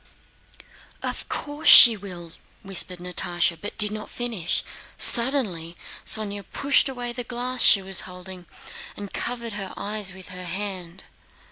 "Of course she will!" whispered Natásha, but did not finish... suddenly Sónya pushed away the glass she was holding and covered her eyes with her hand.